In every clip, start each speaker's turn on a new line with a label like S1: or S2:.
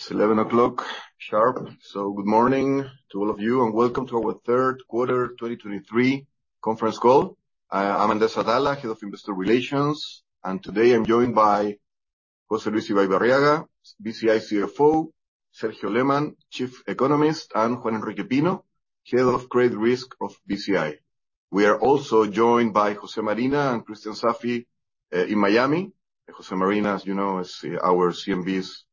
S1: It's 11:00 A.M. sharp. Good morning to all of you, and welcome to our Third Quarter 2023 Conference Call. I'm Andrés Atala, Head of Investor Relations, and today I'm joined by José Luis Ibaibarriaga, BCI CFO, Sergio Lehmann, Chief Economist, and Juan Enrique Pino, Head of Credit Risk of BCI. We are also joined by Jose Marina and Cristian Saffie in Miami. Jose Marina, as you know, is our CNB's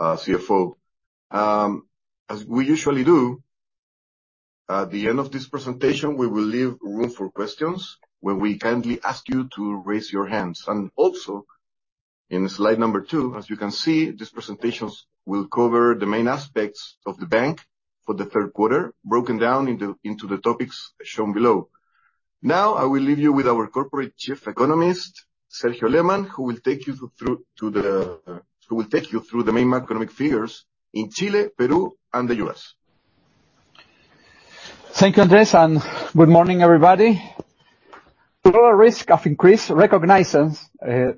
S1: CFO. As we usually do, at the end of this presentation, we will leave room for questions, where we kindly ask you to raise your hands. Also, in slide number two, as you can see, these presentations will cover the main aspects of the bank for the third quarter, broken down into the topics shown below. Now, I will leave you with our corporate Chief Economist, Sergio Lehmann, who will take you through the main macroeconomic figures in Chile, Peru, and the U.S.
S2: Thank you, Andrés, and good morning, everybody. Global risks have increased, recognizing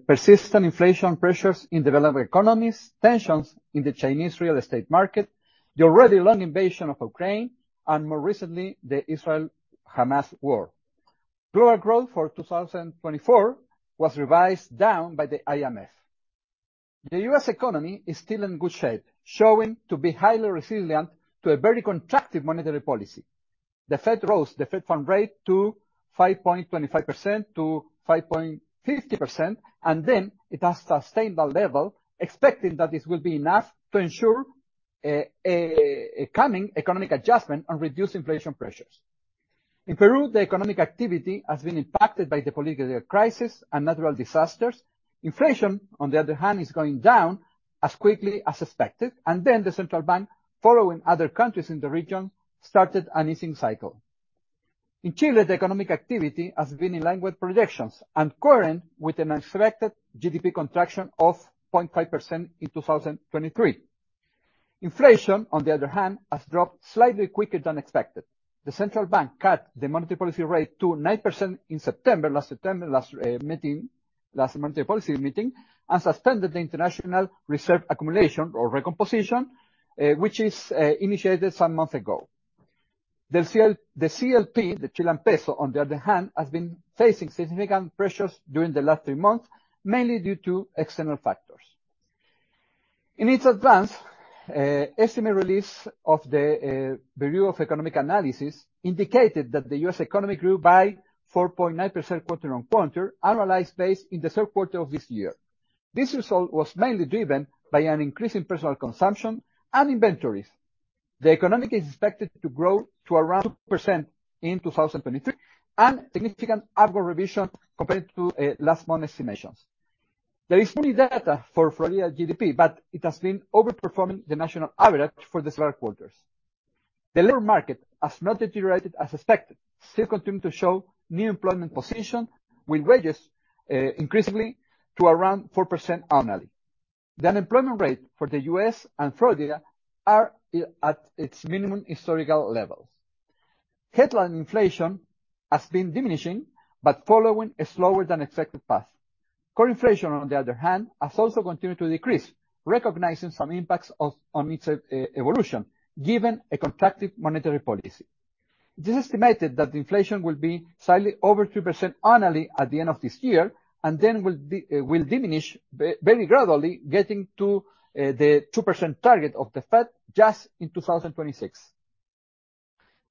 S2: persistent inflation pressures in developing economies, tensions in the Chinese real estate market, the already long invasion of Ukraine, and more recently, the Israel-Hamas war. Global growth for 2024 was revised down by the IMF. The U.S. economy is still in good shape, showing to be highly resilient to a very contractionary monetary policy. The Fed rose the federal funds rate to 5.25%-5.50%, and then it has sustained that level, expecting that this will be enough to ensure a coming economic adjustment and reduce inflation pressures. In Peru, the economic activity has been impacted by the political crisis and natural disasters. Inflation, on the other hand, is going down as quickly as expected, and then the central bank, following other countries in the region, started an easing cycle. In Chile, the economic activity has been in line with projections and current with an expected GDP contraction of 0.5% in 2023. Inflation, on the other hand, has dropped slightly quicker than expected. The central bank cut the monetary policy rate to 9% in September, last monetary policy meeting, and suspended the international reserve accumulation or recomposition, which is initiated some months ago. The CLP, the Chilean peso, on the other hand, has been facing significant pressures during the last three months, mainly due to external factors. In its advance estimate release of the Bureau of Economic Analysis indicated that the U.S. economy grew by 4.9% quarter-on-quarter, annualized basis in the third quarter of this year. This result was mainly driven by an increase in personal consumption and inventories. The economy is expected to grow to around 2% in 2023, a significant upward revision compared to last month estimations. There is only data for Florida GDP, but it has been overperforming the national average for several quarters. The labor market has not deteriorated as expected, still continuing to show new employment position with wages increasingly to around 4% annually. The unemployment rate for the U.S. and Florida are at its minimum historical levels. Headline inflation has been diminishing, but following a slower than expected path. Core inflation, on the other hand, has also continued to decrease, recognizing some impacts on its evolution, given a contractionary monetary policy. It is estimated that inflation will be slightly over 2% annually at the end of this year, and then will diminish very gradually, getting to the 2% target of the Fed just in 2026.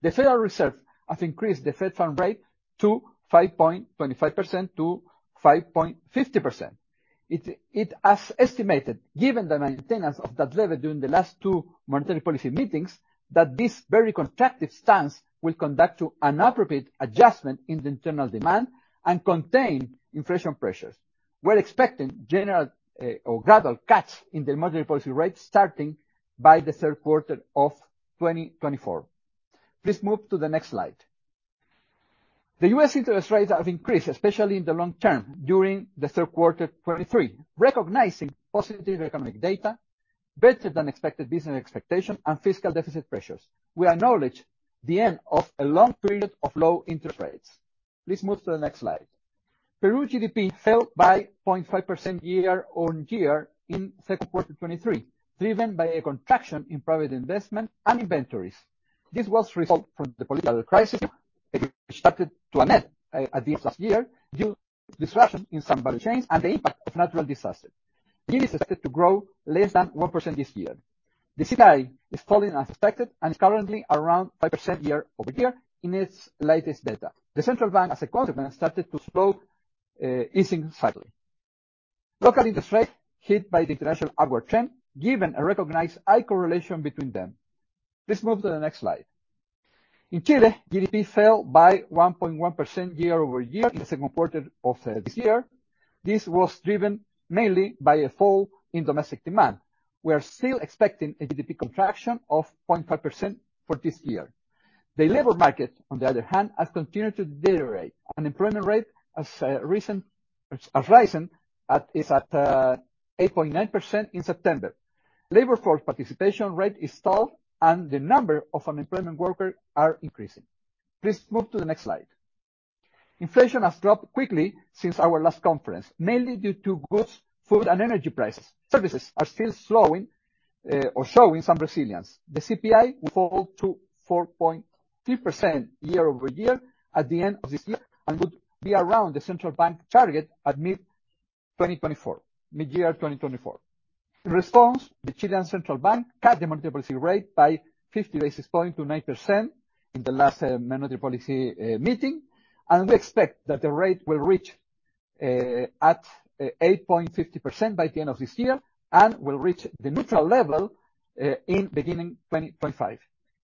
S2: The Federal Reserve has increased the federal funds rate to 5.25%-5.50%. It has estimated, given the maintenance of that level during the last two monetary policy meetings, that this very contractionary stance will lead to an appropriate adjustment in the internal demand and contain inflation pressures. We're expecting gradual cuts in the monetary policy rate starting by the third quarter of 2024. Please move to the next slide. The U.S. interest rates have increased, especially in the long-term, during the third quarter 2023, recognizing positive economic data, better than expected business expectation, and fiscal deficit pressures. We acknowledge the end of a long period of low interest rates. Please move to the next slide. Peru GDP fell by 0.5% year-over-year in second quarter 2023, driven by a contraction in private investment and inventories. This was result from the political crisis which started to end at the end of last year due to disruption in some value chains and the impact of natural disaster. It is expected to grow less than 1% this year. The CPI is falling as expected and is currently around 5% year-over-year in its latest data. The central bank, as a consequence, started to slow easing slightly. Local interest rate hit by the international upward trend, given a recognized high correlation between them. Please move to the next slide. In Chile, GDP fell by 1.1% year-over-year in the second quarter of this year. This was driven mainly by a fall in domestic demand. We are still expecting a GDP contraction of 0.5% for this year. The labor market, on the other hand, has continued to deteriorate. Unemployment rate has risen to 8.9% in September. Labor force participation rate is stalled, and the number of unemployed workers are increasing. Please move to the next slide. Inflation has dropped quickly since our last conference, mainly due to goods, food, and energy prices. Services are still slowing or showing some resilience. The CPI will fall to 4.3% year-over-year at the end of this year and would be around the central bank target at mid-2024, midyear 2024. In response, the Chilean Central Bank cut the monetary policy rate by 50 basis points to 9% in the last monetary policy meeting. We expect that the rate will reach 8.50% by the end of this year and will reach the neutral level in beginning 2025.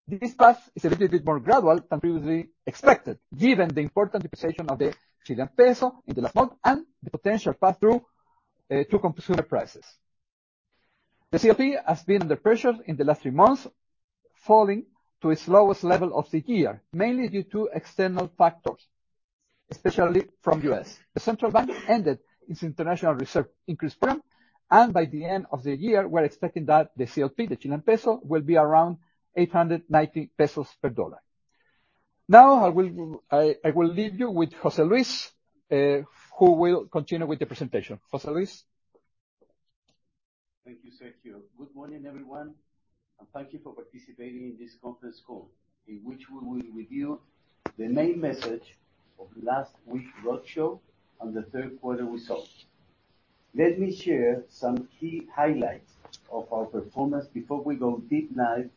S2: This path is a little bit more gradual than previously expected, given the important depreciation of the Chilean peso in the last month and the potential path through to consumer prices. The CLP has been under pressure in the last three months, falling to its lowest level of the year, mainly due to external factors, especially from the U.S. The central bank ended its international reserve increase program, and by the end of the year, we're expecting that the CLP, the Chilean peso, will be around 890 pesos per dollar. Now, I will leave you with José Luis, who will continue with the presentation. José Luis?
S3: Thank you, Sergio. Good morning, everyone, and thank you for participating in this conference call, in which we will review the main message of last week's roadshow and the third quarter results. Let me share some key highlights of our performance before we go deep dive.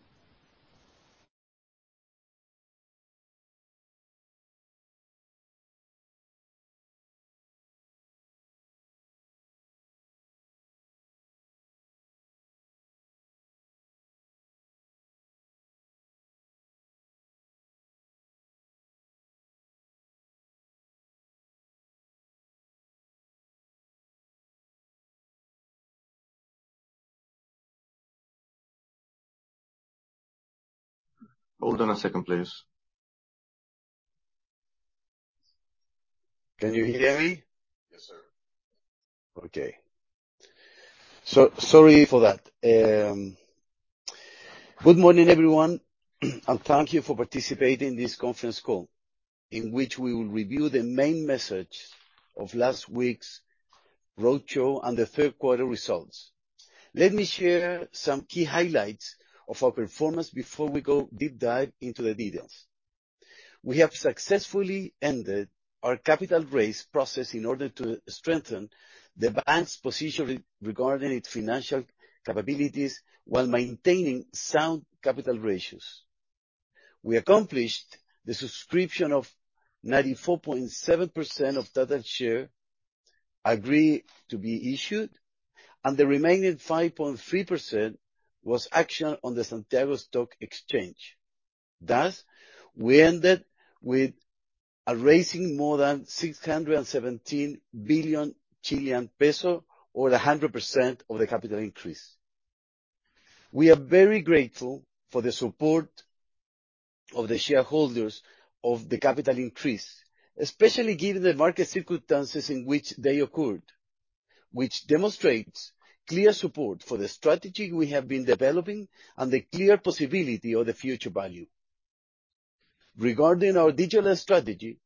S3: Hold on a second, please. Can you hear me?
S2: Yes, sir.
S3: Okay. Sorry for that. Good morning, everyone, and thank you for participating in this conference call, in which we will review the main message of last week's roadshow and the third quarter results. Let me share some key highlights of our performance before we go deep dive into the details. We have successfully ended our capital raise process in order to strengthen the bank's position regarding its financial capabilities while maintaining sound capital ratios. We accomplished the subscription of 94.7% of total share agreed to be issued, and the remaining 5.3% was auctioned on the Santiago Stock Exchange. Thus, we ended with raising more than 617 billion Chilean peso, or 100% of the capital increase. We are very grateful for the support of the shareholders of the capital increase, especially given the market circumstances in which they occurred, which demonstrates clear support for the strategy we have been developing and the clear possibility of the future value. Regarding our digital strategy,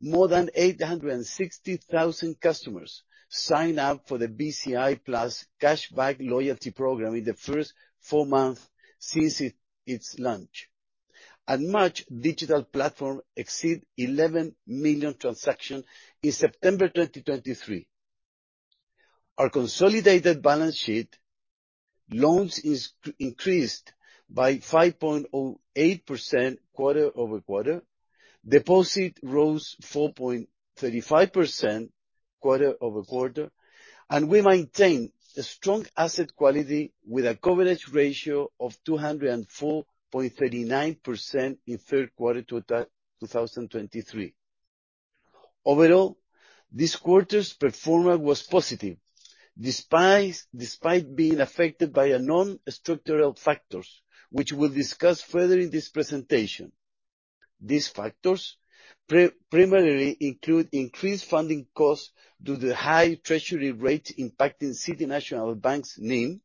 S3: more than 860,000 customers signed up for the BCI Plus cashback loyalty program in the first four months since its launch. Our MACH digital platform exceeded 11 million transactions in September 2023. Our consolidated balance sheet loans increased by 5.08% quarter-over-quarter. Deposits rose 4.35% quarter-over-quarter. We maintain a strong asset quality with a coverage ratio of 204.39% in third quarter 2023. Overall, this quarter's performance was positive, despite being affected by non-structural factors, which we'll discuss further in this presentation. These factors primarily include increased funding costs due to the high treasury rates impacting City National Bank's NIM,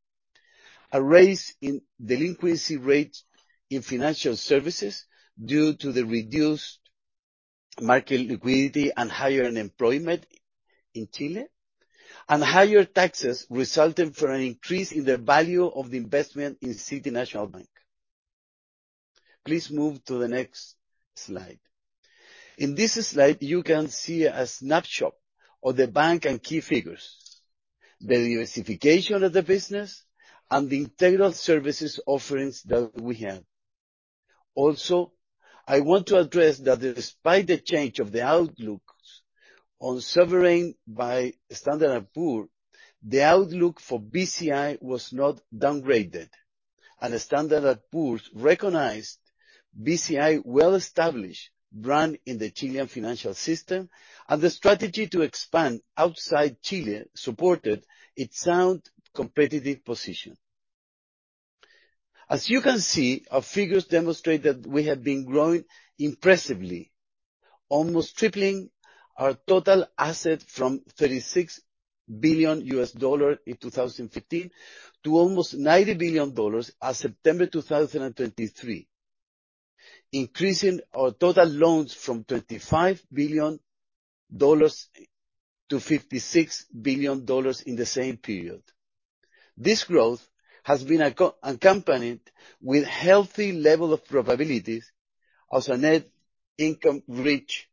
S3: a rise in delinquency rate in financial services due to the reduced market liquidity and higher unemployment in Chile, and higher taxes resulting from an increase in the value of the investment in City National Bank. Please move to the next slide. In this slide, you can see a snapshot of the bank and key figures, the diversification of the business, and the integral services offerings that we have. Also, I want to address that despite the change of the outlooks on sovereign by Standard & Poor's, the outlook for BCI was not downgraded. Standard & Poor's recognized BCI's well-established brand in the Chilean financial system, and the strategy to expand outside Chile supported its sound competitive position. As you can see, our figures demonstrate that we have been growing impressively, almost tripling our total assets from $36 billion in 2015 to almost $90 billion as of September 2023, increasing our total loans from $25 billion to $56 billion in the same period. This growth has been accompanied with healthy level of profitability as net income reached $0.8 billion at third quarter 2023.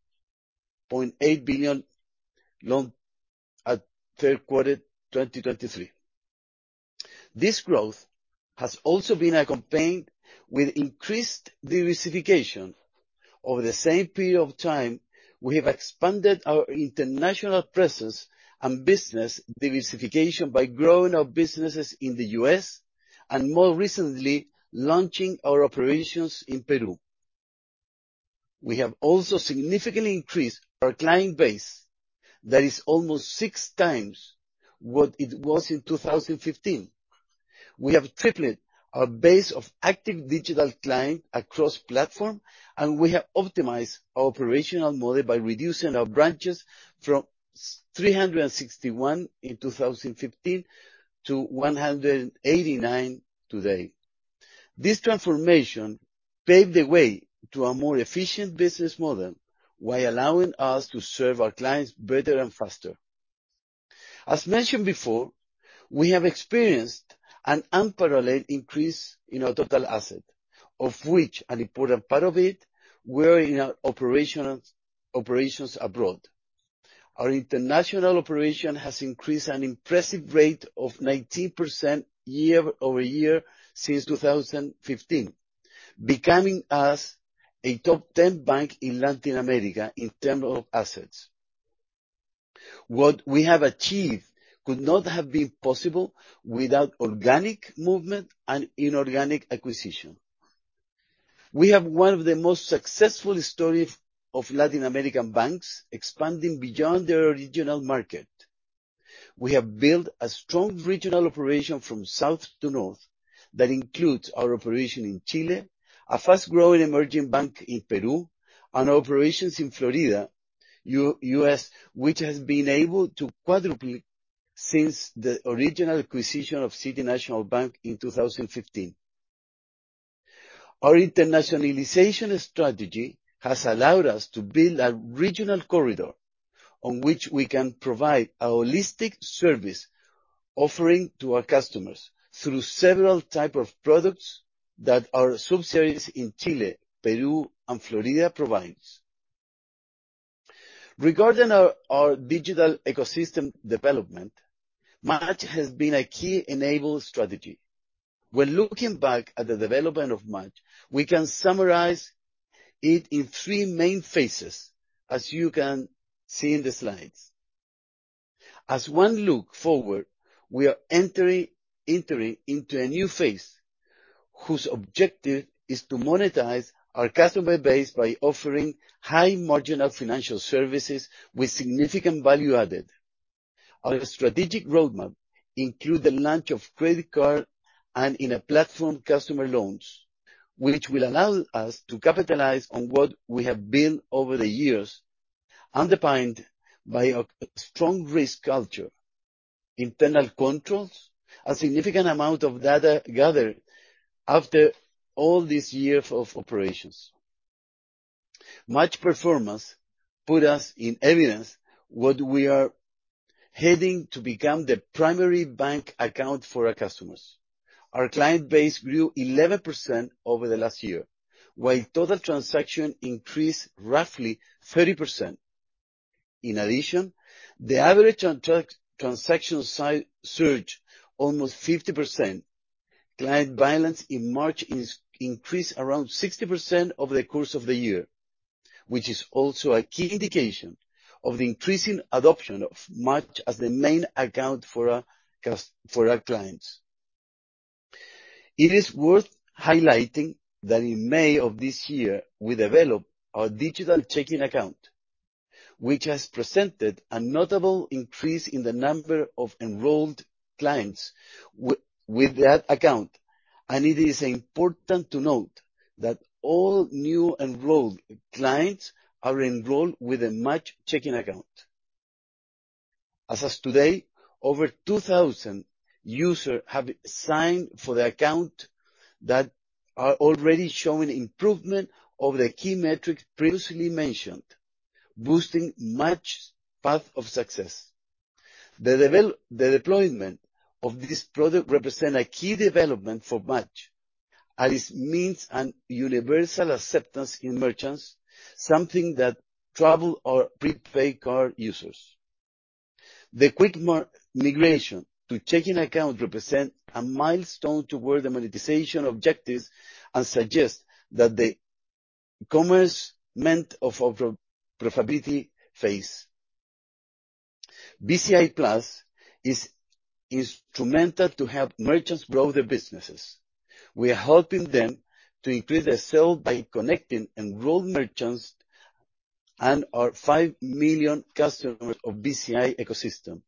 S3: This growth has also been accompanied with increased diversification. Over the same period of time, we have expanded our international presence and business diversification by growing our businesses in the U.S., and more recently, launching our operations in Peru. We have also significantly increased our client base. That is almost six times what it was in 2015. We have tripled our base of active digital client across platform, and we have optimized our operational model by reducing our branches from 361 in 2015 to 189 today. This transformation paved the way to a more efficient business model while allowing us to serve our clients better and faster. As mentioned before, we have experienced an unparalleled increase in our total asset, of which an important part of it were in our operations abroad. Our international operation has increased at an impressive rate of 19% year-over-year since 2015, making us a top ten bank in Latin America in terms of assets. What we have achieved could not have been possible without organic growth and inorganic acquisition. We have one of the most successful stories of Latin American banks expanding beyond their original market. We have built a strong regional operation from south to north that includes our operation in Chile, a fast-growing emerging bank in Peru, and operations in Florida, U.S., which has been able to quadruple since the original acquisition of City National Bank in 2015. Our internationalization strategy has allowed us to build a regional corridor on which we can provide a holistic service offering to our customers through several type of products that our subsidiaries in Chile, Peru, and Florida provides. Regarding our digital ecosystem development, MACH has been a key enabler strategy. When looking back at the development of MACH, we can summarize it in three main phases as you can see in the slides. As we look forward, we are entering into a new phase, whose objective is to monetize our customer base by offering high-margin financial services with significant value added. Our strategic roadmap include the launch of credit card and in a platform customer loans, which will allow us to capitalize on what we have built over the years, underpinned by a strong risk culture, internal controls, a significant amount of data gathered after all these years of operations. MACH performance put us in evidence what we are heading to become the primary bank account for our customers. Our client base grew 11% over the last year, while total transaction increased roughly 30%. In addition, the average transaction size surged almost 50%. Client balance in March is increased around 60% over the course of the year, which is also a key indication of the increasing adoption of MACH as the main account for our clients. It is worth highlighting that in May of this year, we developed our digital checking account, which has presented a notable increase in the number of enrolled clients with that account. It is important to note that all new enrolled clients are enrolled with a MACH checking account. As today, over 2,000 users have signed for the account that are already showing improvement over the key metrics previously mentioned, boosting MACH's path of success. The deployment of this product represent a key development for MACH, as it means an universal acceptance in merchants, something that travel or prepaid card users. The quick migration to checking account represents a milestone toward the monetization objectives and suggests the commencement of our pre-profitability phase. BCI Plus is instrumental to help merchants grow their businesses. We are helping them to increase their sales by connecting enrolled merchants and our 5 million customers of BCI ecosystem.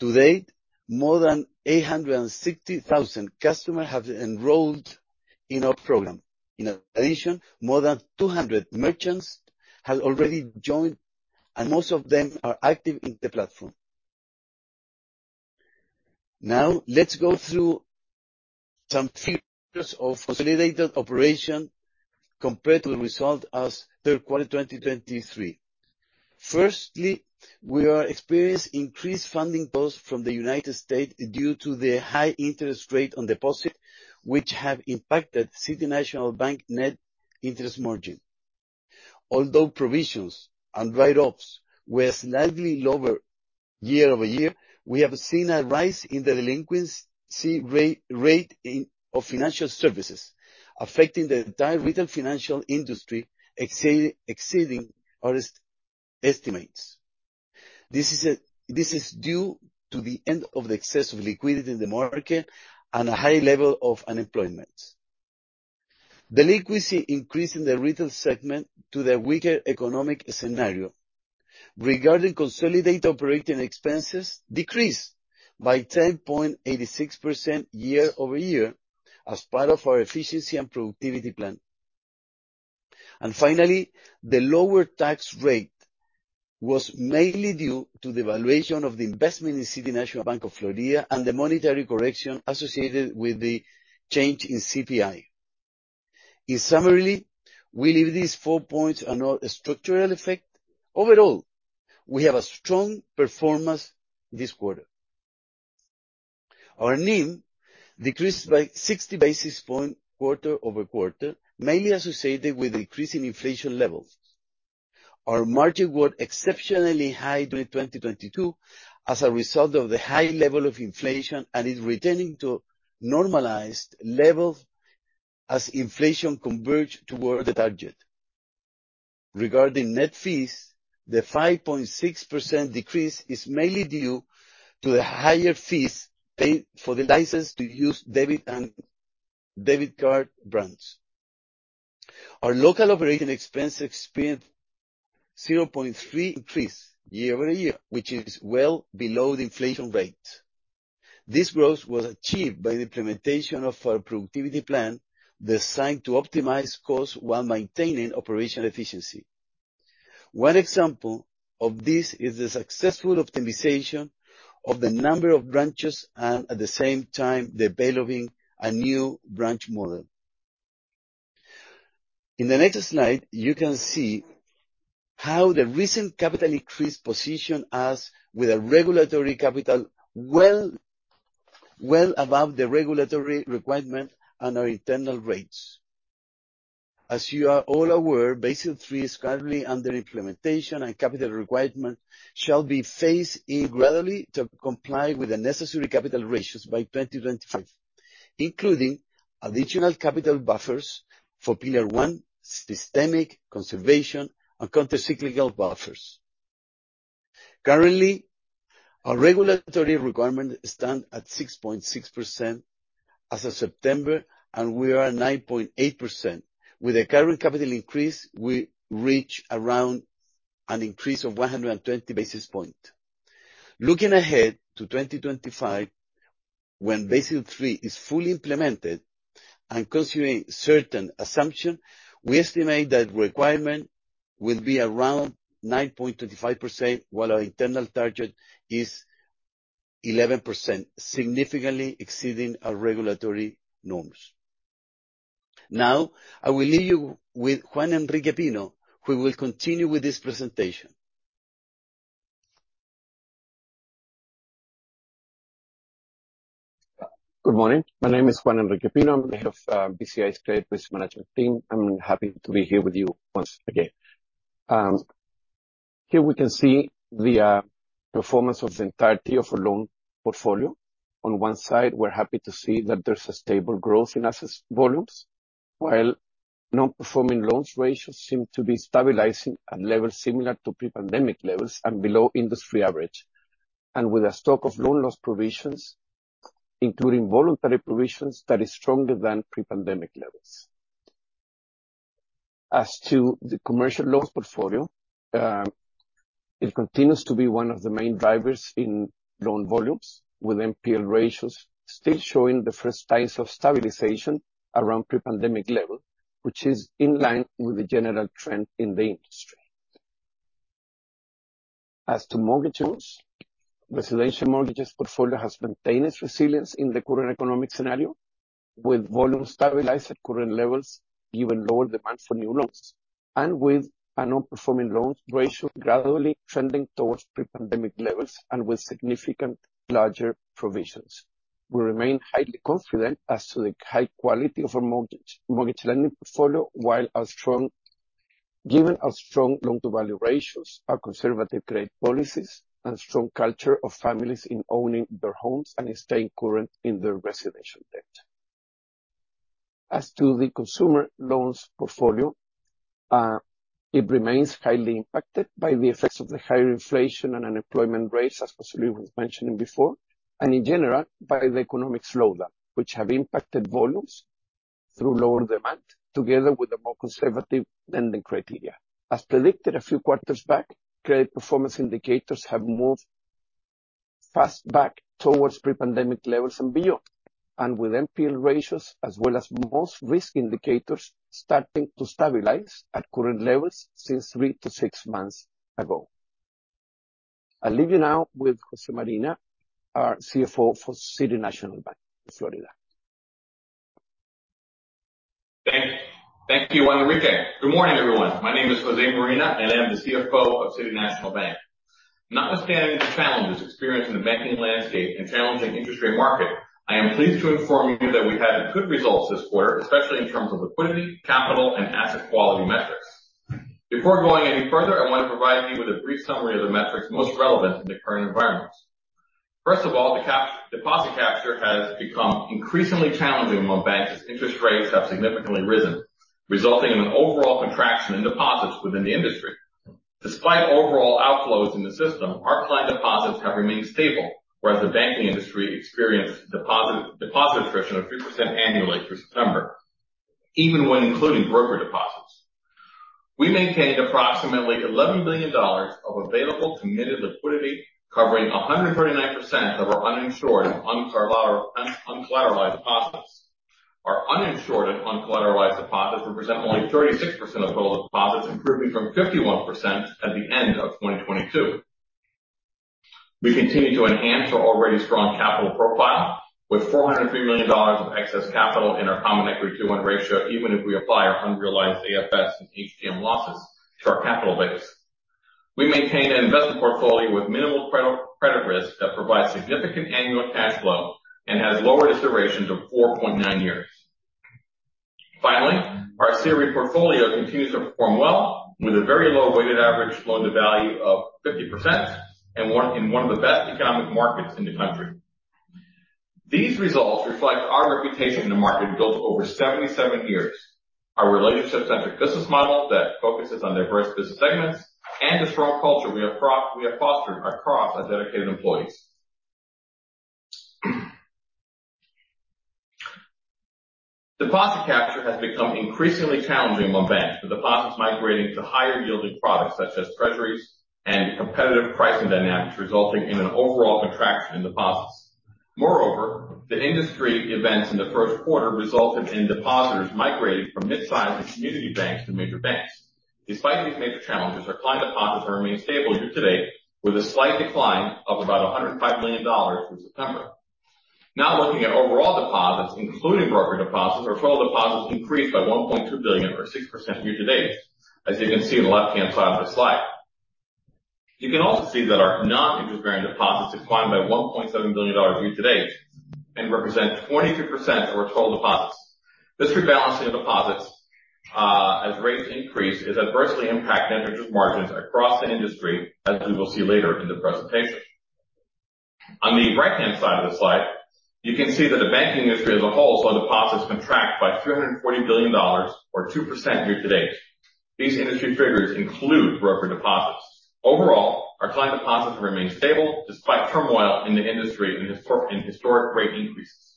S3: To date, more than 860,000 customers have enrolled in our program. In addition, more than 200 merchants have already joined, and most of them are active in the platform. Now, let's go through some figures of consolidated operations compared to the results as of third quarter 2023. First, we have experienced increased funding costs from the United States due to the high interest rates on deposits, which have impacted City National Bank net interest margin. Although provisions and write-offs were slightly lower year-over-year, we have seen a rise in the delinquency rate in financial services, affecting the entire retail financial industry, exceeding our estimates. This is due to the end of the excess of liquidity in the market and a high level of unemployment. Delinquency increased in the retail segment due to the weaker economic scenario. Regarding consolidated operating expenses, decreased by 10.86% year-over-year as part of our efficiency and productivity plan. Finally, the lower tax rate was mainly due to the valuation of the investment in City National Bank of Florida and the monetary correction associated with the change in CPI. In summary, we leave these four points and all structural effect. Overall, we have a strong performance this quarter. Our NIM decreased by 60 basis points quarter-over-quarter, mainly associated with a decrease in inflation levels. Our margin were exceptionally high during 2022 as a result of the high level of inflation and is returning to normalized levels as inflation converge toward the target. Regarding net fees, the 5.6% decrease is mainly due to the higher fees paid for the license to use debit and credit card brands. Our local operating expenses experienced 0.3% increase year-over-year, which is well below the inflation rate. This growth was achieved by the implementation of our productivity plan, designed to optimize costs while maintaining operational efficiency. One example of this is the successful optimization of the number of branches, and at the same time developing a new branch model. In the next slide, you can see how the recent capital increase position us with a regulatory capital well, well above the regulatory requirement and our internal rates. As you are all aware, Basel III is currently under implementation, and capital requirement shall be phased in gradually to comply with the necessary capital ratios by 2025, including additional capital buffers for Pillar I, capital conservation, and countercyclical buffers. Currently, our regulatory requirement stand at 6.6% as of September, and we are at 9.8%. With the current capital increase, we reach around an increase of 120 basis points. Looking ahead to 2025, when Basel III is fully implemented, and considering certain assumption, we estimate that requirement will be around 9.25%, while our internal target is 11%, significantly exceeding our regulatory norms. Now, I will leave you with Juan Enrique Pino, who will continue with this presentation.
S4: Good morning. My name is Juan Enrique Pino. I'm head of BCI's Credit Risk Management team. I'm happy to be here with you once again. Here we can see the performance of the entirety of our loan portfolio. On one side, we're happy to see that there's a stable growth in assets volumes, while non-performing loans ratios seem to be stabilizing at levels similar to pre-pandemic levels and below industry average. With a stock of loan loss provisions, including voluntary provisions that is stronger than pre-pandemic levels. As to the commercial loans portfolio, it continues to be one of the main drivers in loan volumes, with NPL ratios still showing the first signs of stabilization around pre-pandemic level, which is in line with the general trend in the industry. As to mortgage loans, residential mortgages portfolio has maintained its resilience in the current economic scenario, with volumes stabilized at current levels, given lower demand for new loans. With a non-performing loans ratio gradually trending towards pre-pandemic levels and with significant larger provisions. We remain highly confident as to the high quality of our mortgage lending portfolio. Given our strong loan-to-value ratios, our conservative credit policies, and strong culture of families in owning their homes and staying current in their residential debt. As to the consumer loans portfolio, it remains highly impacted by the effects of the higher inflation and unemployment rates, as José Luis was mentioning before, and in general, by the economic slowdown, which have impacted volumes through lower demand together with a more conservative lending criteria. As predicted a few quarters back, credit performance indicators have moved fast back towards pre-pandemic levels and beyond. With NPL ratios as well as most risk indicators starting to stabilize at current levels since three to six months ago. I leave you now with José Marina, our CFO for City National Bank of Florida.
S5: Thank you. Thank you, Enrique. Good morning, everyone. My name is Jose Marina, and I'm the CFO of City National Bank. Notwithstanding the challenges experienced in the banking landscape and challenging interest rate market, I am pleased to inform you that we had good results this quarter, especially in terms of liquidity, capital, and asset quality metrics. Before going any further, I want to provide you with a brief summary of the metrics most relevant in the current environment. First of all, the cheap-deposit capture has become increasingly challenging among banks as interest rates have significantly risen, resulting in an overall contraction in deposits within the industry. Despite overall outflows in the system, our client deposits have remained stable, whereas the banking industry experienced deposit attrition of 3% annually through September, even when including broker deposits. We maintained approximately $11 billion of available committed liquidity, covering 139% of our uninsured and uncollateralized deposits. Our uninsured and uncollateralized deposits represent only 36% of total deposits, improving from 51% at the end of 2022. We continue to enhance our already strong capital profile with $403 million of excess capital in our Common Equity Tier one ratio even if we apply our unrealized AFS and HTM losses to our capital base. We maintain an investment portfolio with minimal credit risk that provides significant annual cash flow and has lowered its duration to 4.9 years. Our CRE portfolio continues to perform well with a very low weighted average loan-to-value of 50% and one in one of the best economic markets in the country. These results reflect our reputation in the market built over 77 years. Our relationship-centric business model that focuses on diverse business segments and the strong culture we have fostered across our dedicated employees. Deposit capture has become increasingly challenging among banks, with deposits migrating to higher yielding products such as Treasuries and competitive pricing dynamics, resulting in an overall contraction in deposits. Moreover, the industry events in the first quarter resulted in depositors migrating from mid-sized and community banks to major banks. Despite these major challenges, our client deposits have remained stable year to date, with a slight decline of about $105 million through September. Now, looking at overall deposits, including broker deposits, our total deposits increased by $1.2 billion or 6% year to date. As you can see on the left-hand side of the slide. You can also see that our non-interest-bearing deposits declined by $1.7 billion year to date and represent 22% of our total deposits. This rebalancing of deposits, as rates increase, is adversely impacting net interest margins across the industry, as we will see later in the presentation. On the right-hand side of the slide, you can see that the banking industry as a whole saw deposits contract by $340 billion or 2% year to date. These industry figures include broker deposits. Overall, our client deposits have remained stable despite turmoil in the industry and historic rate increases.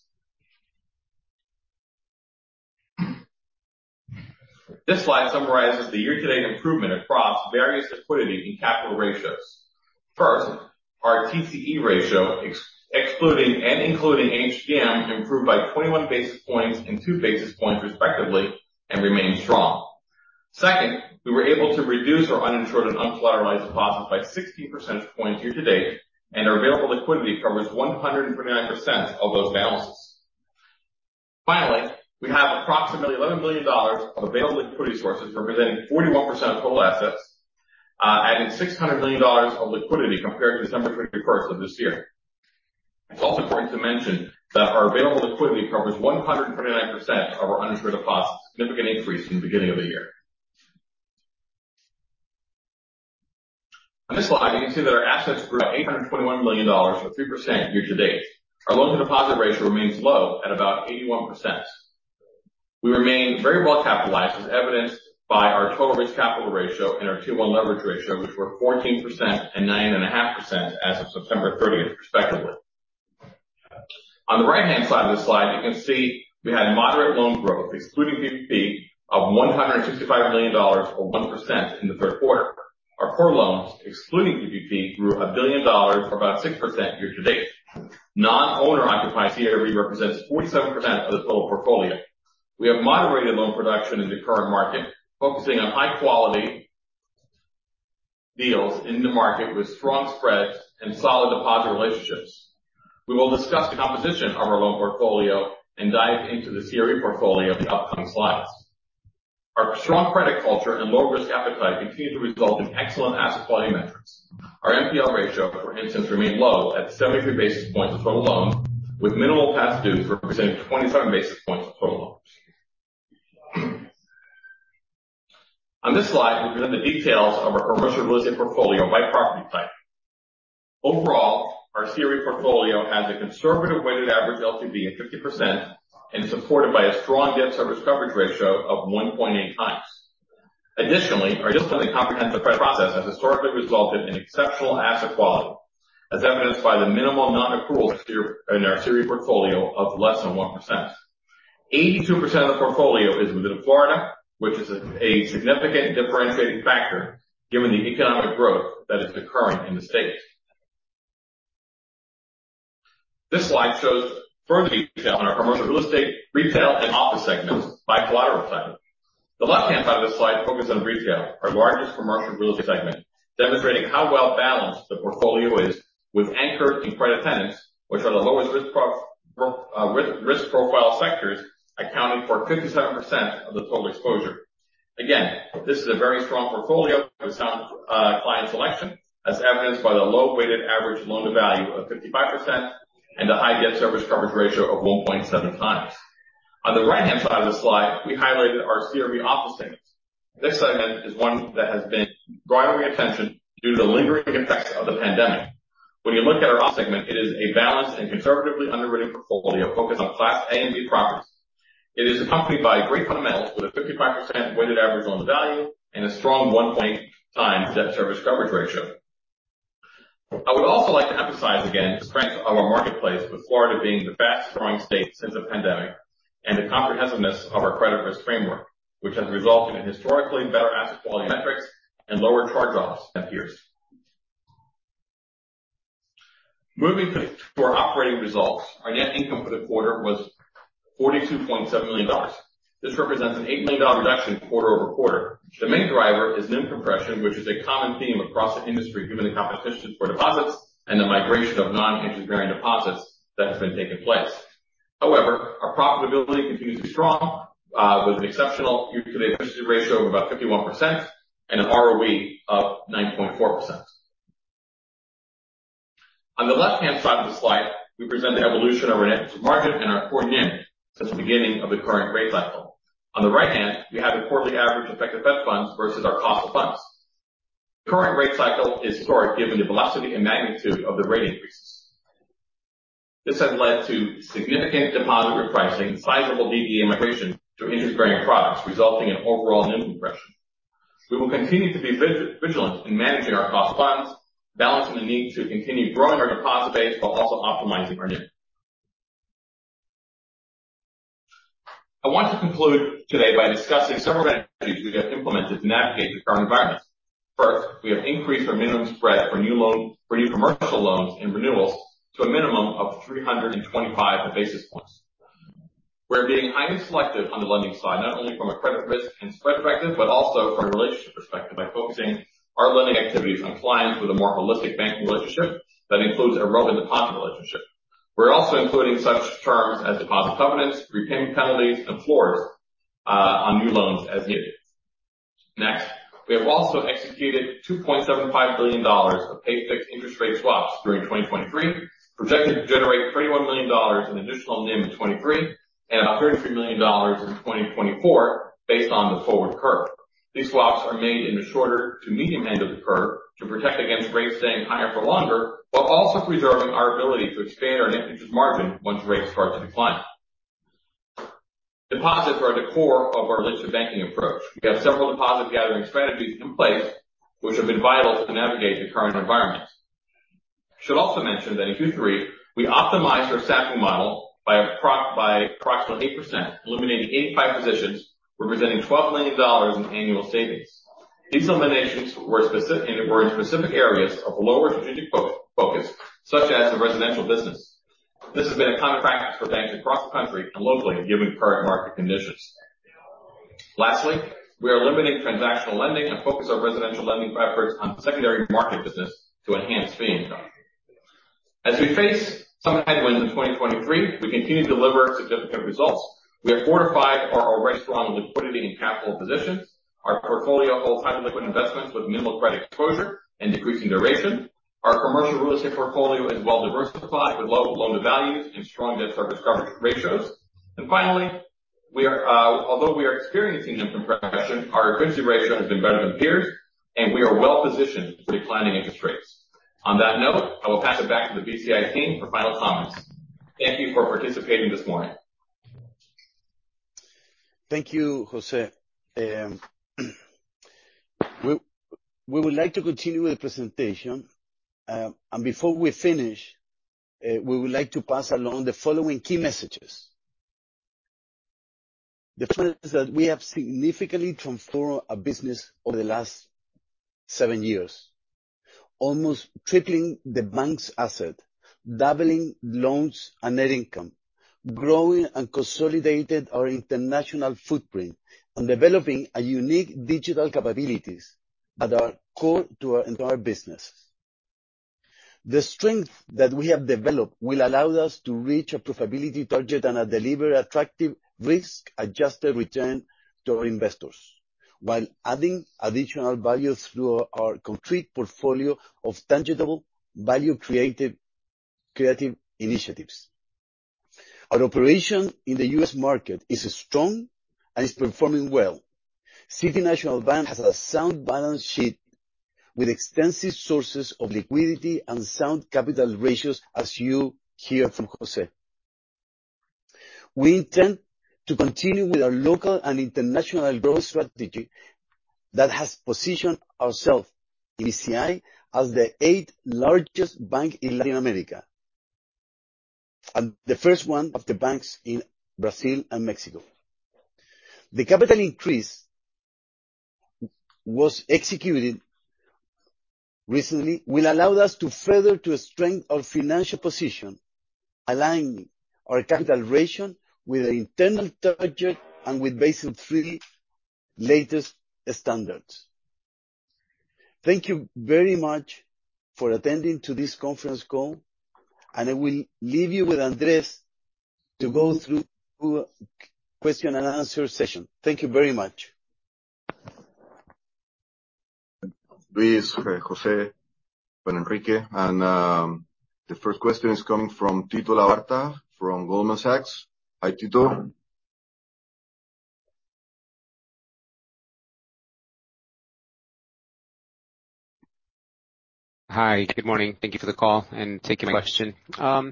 S5: This slide summarizes the year-to-date improvement across various liquidity and capital ratios. First, our TCE ratio excluding and including HTM improved by 21 basis points and two basis points respectively and remains strong. We were able to reduce our uninsured and uncollateralized deposits by 16 percentage points year to date, and our available liquidity covers 139% of those balances. Finally, we have approximately $11 billion of available liquidity sources, representing 41% of total assets, adding $600 million of liquidity compared to December thirty-first of this year. It's also important to mention that our available liquidity covers 139% of our uninsured deposits, a significant increase from the beginning of the year. On this slide, you can see that our assets grew by $821 million or 3% year to date. Our loan-to-deposit ratio remains low at about 81%. We remain very well capitalized, as evidenced by our total risk capital ratio and our 2:1 leverage ratio, which were 14% and 9.5% as of September 30, respectively. On the right-hand side of the slide, you can see we had moderate loan growth, excluding PPP, of $165 million or 1% in the third quarter. Our core loans, excluding PPP, grew $1 billion or about 6% year-to-date. Non-owner occupied CRE represents 47% of the total portfolio. We have moderated loan production in the current market, focusing on high quality deals in the market with strong spreads and solid deposit relationships. We will discuss the composition of our loan portfolio and dive into the CRE portfolio in the upcoming slides. Our strong credit culture and low risk appetite continue to result in excellent asset quality metrics. Our NPL ratio, for instance, remained low at 73 basis points of total loans, with minimal past dues representing 27 basis points of total loans. On this slide, we present the details of our commercial real estate portfolio by property type. Overall, our CRE portfolio has a conservative weighted average LTV of 50% and supported by a strong debt service coverage ratio of 1.8 times. Additionally, our discipline and comprehensive credit process has historically resulted in exceptional asset quality, as evidenced by the minimal nonaccruals here in our CRE portfolio of less than 1%. 82% of the portfolio is within Florida, which is a significant differentiating factor given the economic growth that is occurring in the state. This slide shows further detail on our commercial real estate, retail, and office segments by collateral type. The left-hand side of the slide focuses on retail, our largest commercial real estate segment, demonstrating how well-balanced the portfolio is with anchor and credit tenants, which are the lowest risk profile sectors accounting for 57% of the total exposure. Again, this is a very strong portfolio with sound client selection as evidenced by the low weighted average loan-to-value of 55% and the high debt service coverage ratio of 1.7 times. On the right-hand side of the slide, we highlighted our CRE office tenants. This segment is one that has been drawing attention due to the lingering effects of the pandemic. When you look at our office segment, it is a balanced and conservatively underwritten portfolio focused on class A and B properties. It is accompanied by great fundamentals with a 55% weighted average loan-to-value and a strong 1x debt service coverage ratio. I would also like to emphasize again the strength of our marketplace, with Florida being the fast-growing state since the pandemic and the comprehensiveness of our credit risk framework, which has resulted in historically better asset quality metrics and lower charge-offs than peers. Moving to our operating results, our net income for the quarter was $42.7 million. This represents an $8 million reduction quarter-over-quarter. The main driver is NIM compression, which is a common theme across the industry given the competition for deposits and the migration of non-interest-bearing deposits that has been taking place. However, our profitability continues to be strong, with an exceptional efficiency ratio of about 51% and an ROE of 9.4%. On the left-hand side of the slide, we present the evolution of our net interest margin and our core NIM since the beginning of the current rate cycle. On the right-hand, we have a quarterly average effective Fed funds versus our cost of funds. The current rate cycle is historic given the velocity and magnitude of the rate increases. This has led to significant deposit repricing, sizable DDA migration to interest-bearing products, resulting in overall NIM compression. We will continue to be vigilant in managing our cost of funds, balancing the need to continue growing our deposit base while also optimizing our NIM. I want to conclude today by discussing several strategies we have implemented to navigate the current environment. First, we have increased our minimum spread for new loans, for new commercial loans and renewals to a minimum of 325 basis points. We're being highly selective on the lending side, not only from a credit risk and spread perspective, but also from a relationship perspective by focusing our lending activities on clients with a more holistic banking relationship that includes a relevant deposit relationship. We're also including such terms as deposit covenants, prepayment penalties, and floors on new loans as needed. Next, we have also executed $2.75 billion of pay fixed interest rate swaps during 2023, projected to generate $21 million in additional NIM in 2023 and about $33 million in 2024 based on the forward curve. These swaps are made in the shorter to medium end of the curve to protect against rates staying higher for longer, while also preserving our ability to expand our net interest margin once rates start to decline. Deposits are the core of our relationship banking approach. We have several deposit gathering strategies in place which have been vital to navigate the current environment. I should also mention that in Q3, we optimized our staffing model by approximately 8%, eliminating 85 positions, representing $12 million in annual savings. These eliminations were in specific areas of lower strategic focus, such as the residential business. This has been a common practice for banks across the country and locally given current market conditions. Lastly, we are limiting transactional lending and focus our residential lending efforts on secondary market business to enhance fee income. We face some headwinds in 2023, we continue to deliver significant results. We have fortified our already strong liquidity and capital positions. Our portfolio holds high liquid investments with minimal credit exposure and decreasing duration. Our commercial real estate portfolio is well diversified with low loan-to-value and strong debt service coverage ratios. Finally, we are, although we are experiencing NIM compression, our efficiency ratio has been better than peers, and we are well positioned for declining interest rates. On that note, I will pass it back to the BCI team for final comments. Thank you for participating this morning.
S3: Thank you, Jose. We would like to continue with the presentation. Before we finish, we would like to pass along the following key messages. The first is that we have significantly transformed our business over the last seven years. Almost tripling the bank's asset, doubling loans and net income, growing and consolidated our international footprint, and developing a unique digital capabilities that are core to our business. The strength that we have developed will allow us to reach a profitability target and deliver attractive risk-adjusted return to our investors while adding additional value through our complete portfolio of tangible value creative initiatives. Our operation in the U.S. market is strong and is performing well. City National Bank has a sound balance sheet with extensive sources of liquidity and sound capital ratios, as you hear from José. We intend to continue with our local and international growth strategy that has positioned ourselves in BCI as the eighth largest bank in Latin America, and the first one of the banks in Brazil and Mexico. The capital increase was executed recently, will allow us to further strengthen our financial position, aligning our capital ratio with the internal target and with Basel III latest standards. Thank you very much for attending to this conference call, and I will leave you with Andrés to go through question and answer session. Thank you very much.
S1: Please, José, Juan Enrique. The first question is coming from Tito Labarta from Goldman Sachs. Hi, Tito.
S6: Hi. Good morning. Thank you for the call, and taking question. My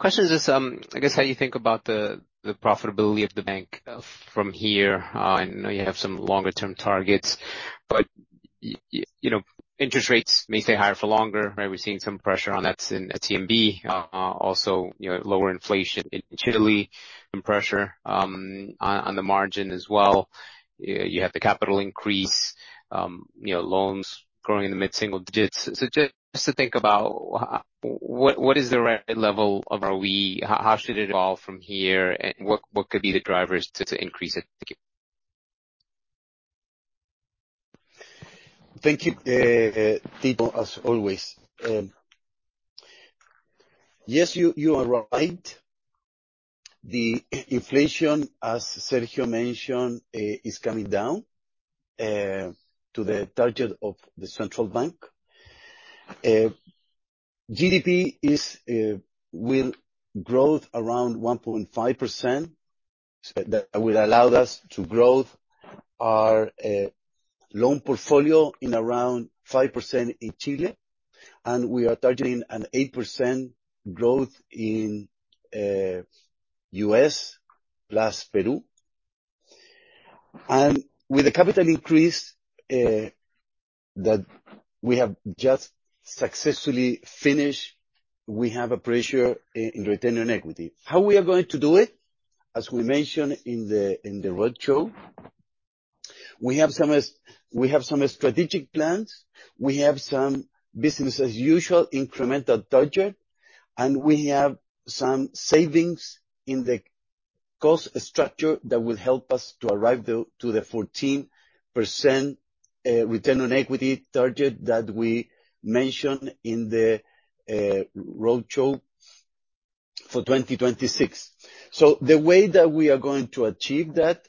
S6: question is just, I guess, how you think about the profitability of the bank from here. I know you have some longer term targets, but you know, interest rates may stay higher for longer, right? We're seeing some pressure on that in CNB. Also, you know, lower inflation in Chile and pressure on the margin as well. You have the capital increase, you know, loans growing in the mid-single digits. Just to think about what is the right level of ROE? How should it evolve from here? And what could be the drivers to increase it? Thank you.
S3: Thank you, Tito, as always. Yes, you are right. The inflation, as Sergio mentioned, is coming down to the target of the central bank. GDP will grow around 1.5%. That will allow us to grow our loan portfolio in around 5% in Chile, and we are targeting an 8% growth in U.S. plus Peru. With the capital increase that we have just successfully finished, we have a pressure on return on equity. How we are going to do it, as we mentioned in the roadshow, we have some s. We have some strategic plans, we have some business as usual incremental target, and we have some savings in the cost structure that will help us to the 14% return on equity target that we mentioned in the roadshow for 2026. The way that we are going to achieve that,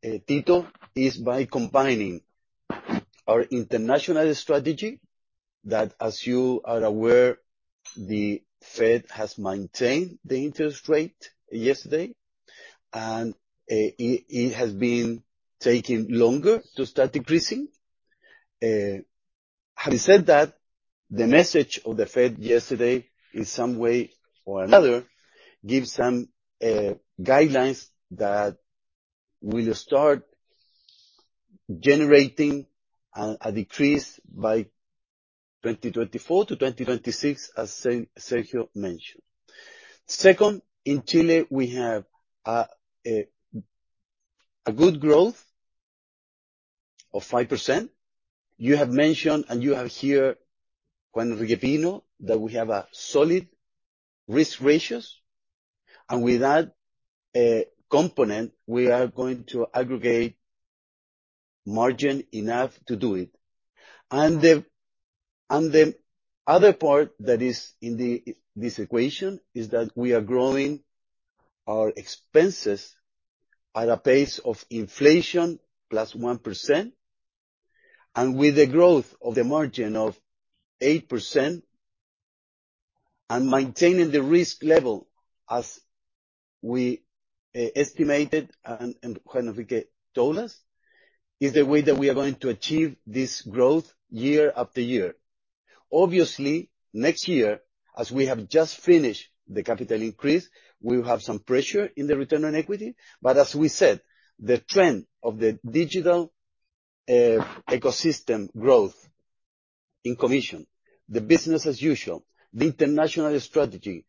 S3: Tito, is by combining our international strategy, that, as you are aware, the Fed has maintained the interest rate yesterday, and it has been taking longer to start decreasing. Having said that, the message of the Fed yesterday, in some way or another, gives some guidelines that will start generating a decrease by 2024-2026, as Sergio mentioned. Second, in Chile, we have a good growth of 5%. You have mentioned, and you have here, Juan Enrique Pino, that we have a solid risk ratios. With that component, we are going to aggregate margin enough to do it. The other part that is in this equation is that we are growing our expenses at a pace of inflation +1%. With the growth of the margin of 8% and maintaining the risk level as we estimated and Juan Enrique told us, is the way that we are going to achieve this growth year after year. Obviously, next year, as we have just finished the capital increase, we will have some pressure in the return on equity. as we said, the trend of the digital ecosystem growth in commission, the business as usual, the international strategy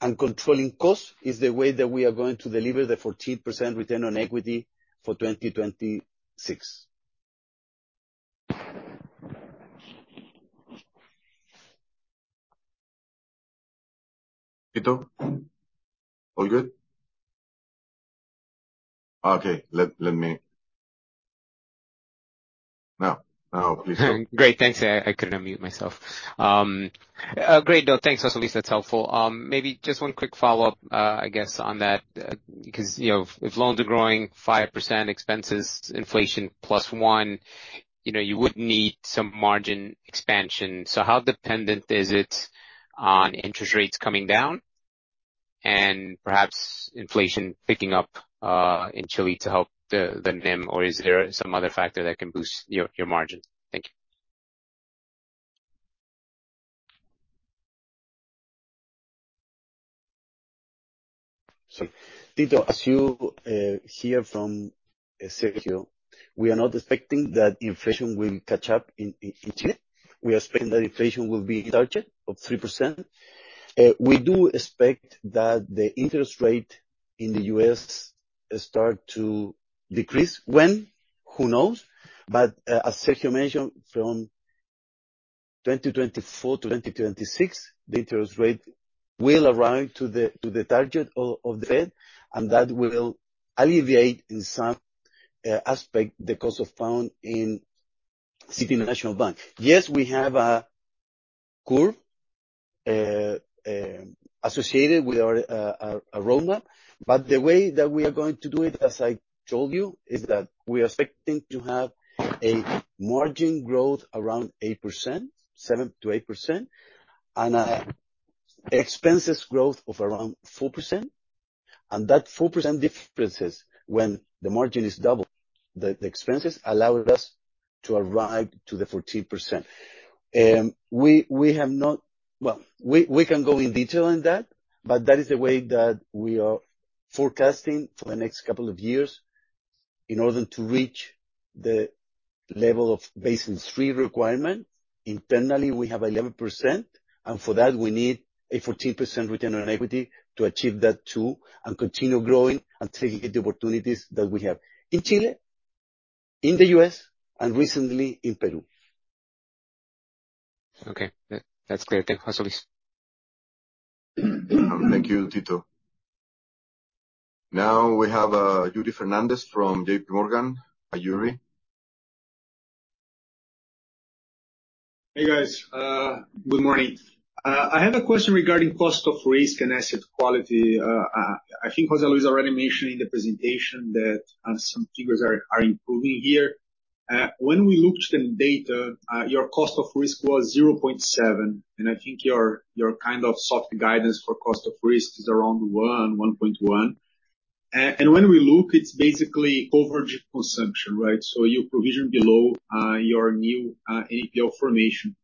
S3: and controlling costs, is the way that we are going to deliver the 14% return on equity for 2026.
S1: Tito, all good? Okay. Let me now, please go.
S6: Great. Thanks. I couldn't unmute myself. Great, though. Thanks, José Luis. That's helpful. Maybe just one quick follow-up, I guess on that, because, you know, if loans are growing 5%, expenses inflation plus 1%, you know, you would need some margin expansion. How dependent is it on interest rates coming down and perhaps inflation picking up in Chile to help the NIM, or is there some other factor that can boost your margins? Thank you.
S3: Tito, as you hear from Sergio, we are not expecting that inflation will catch up in Chile. We expect that inflation will be target of 3%. We do expect that the interest rate in the U.S. start to decrease. When, who knows? As Sergio mentioned, from 2024 to 2026, the interest rate will arrive to the target of the Fed, and that will alleviate in some aspect the cost of fund in City National Bank. Yes, we have a curve associated with our ROA, but the way that we are going to do it, as I told you, is that we are expecting to have a margin growth around 8%, 7%-8%, and expenses growth of around 4%. That 4% difference when the margin is double the expenses allows us to arrive to the 14%. Well, we can go in detail on that, but that is the way that we are forecasting for the next couple of years in order to reach the level of Basel III requirement. Internally, we have 11%, and for that we need a 14% return on equity to achieve that too, and continue growing and taking the opportunities that we have in Chile, in the U.S., and recently in Peru.
S6: Okay. That, that's clear, thank you. José Luis.
S1: Thank you, Tito. Now we have Yuri Fernandes from J.P. Morgan. Yuri.
S7: Hey, guys. Good morning. I have a question regarding cost of risk and asset quality. I think José Luis Ibaibarriaga already mentioned in the presentation that some figures are improving here. When we looked at the data, your cost of risk was 0.7%, and I think your kind of soft guidance for cost of risk is around 1%-1.1%. And when we look, it's basically coverage consumption, right? You provision below your new NPL formation.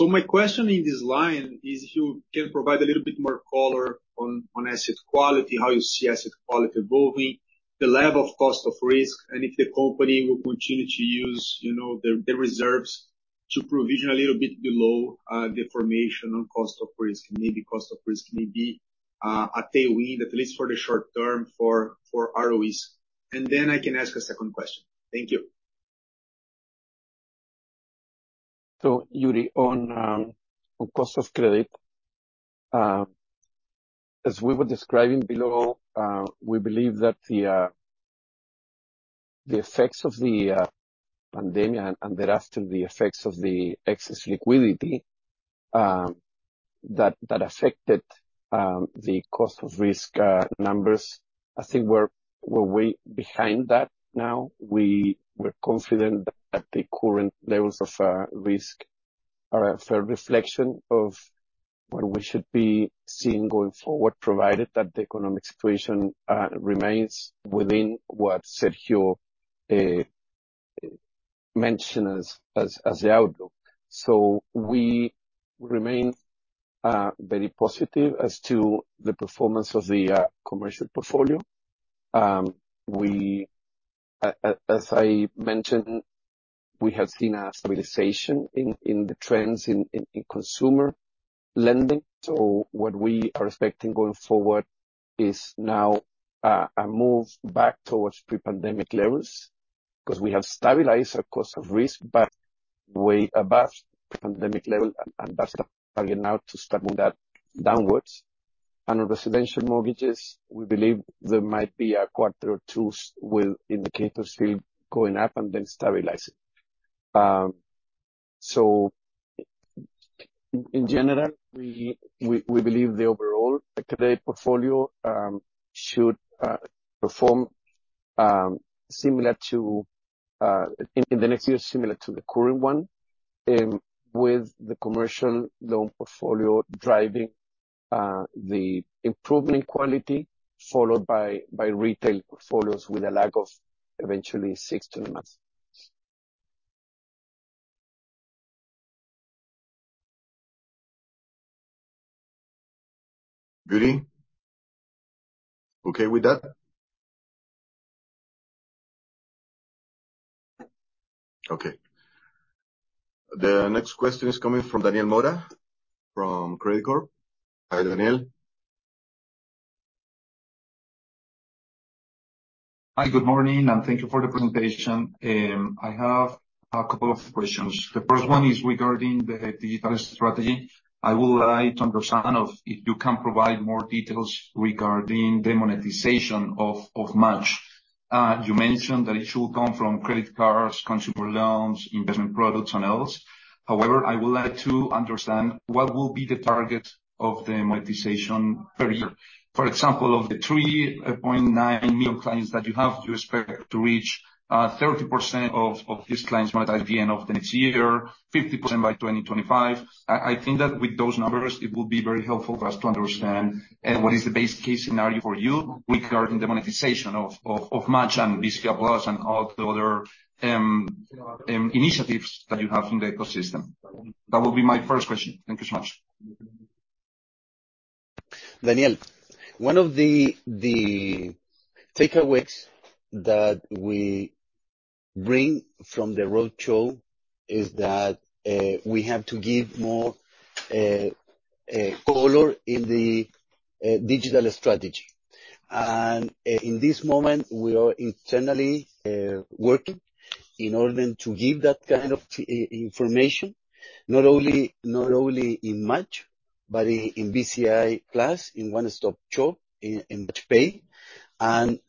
S7: My question in this line is if you can provide a little bit more color on asset quality, how you see asset quality evolving, the level of cost of risk, and if the company will continue to use, you know, the reserves to provision a little bit below, the formation on cost of risk, maybe cost of risk may be, a tailwind, at least for the short term, for ROEs. I can ask a second question. Thank you.
S4: Yuri, on cost of risk, as we were describing below, we believe that the effects of the pandemic, and thereafter the effects of the excess liquidity that affected the cost of risk numbers, I think we're way behind that now. We're confident that the current levels of risk are a fair reflection of what we should be seeing going forward, provided that the economic situation remains within what Sergio mentioned as the outlook. We remain very positive as to the performance of the commercial portfolio. As I mentioned, we have seen a stabilization in the trends in consumer lending. What we are expecting going forward is now a move back towards pre-pandemic levels, 'cause we have stabilized our cost of risk back way above pandemic level, and that's the target now to start to move that downwards. Residential mortgages, we believe there might be a quarter or two with indicators still going up and then stabilizing. In general, we believe the overall credit portfolio should perform similar to in the next year similar to the current one, with the commercial loan portfolio driving the improvement in quality followed by retail portfolios with a lag of eventually six to nine months.
S1: Yuri, okay with that? Okay. The next question is coming from Daniel Mora from Credicorp Capital. Hi, Daniel.
S8: Hi, good morning, and thank you for the presentation. I have a couple of questions. The first one is regarding the digital strategy. I would like to understand if you can provide more details regarding the monetization of MACH. You mentioned that it should come from credit cards, consumer loans, investment products and else. However, I would like to understand what will be the target of the monetization per year. For example, of the 3.9 million clients that you have, do you expect to reach 30% of these clients by the end of next year, 50% by 2025? I think that with those numbers it would be very helpful for us to understand what is the base case scenario for you regarding the monetization of MACH and BCI Plus and all the other initiatives that you have in the ecosystem. That would be my first question. Thank you so much.
S3: Daniel, one of the takeaways that we bring from the roadshow is that we have to give more color in the digital strategy. In this moment, we are internally working in order to give that kind of information, not only in MACH, but in BCI Plus, in one stop shop in Spain. I'm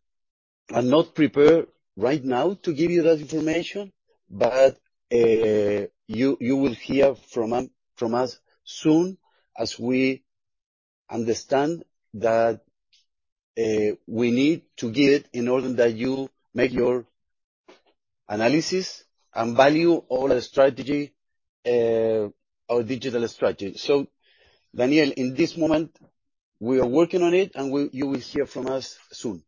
S3: not prepared right now to give you that information, but you will hear from us soon, as we understand that we need to give in order that you make your analysis and value our strategy, our digital strategy. Daniel, in this moment, we are working on it, and you will hear from us soon.